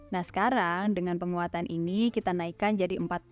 nah sekarang dengan penguatan ini kita naikkan jadi empat puluh